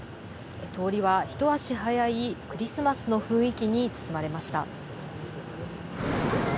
通りは一足早いクリスマスの雰囲気に包まれました。